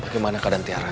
bagaimana keadaan tiara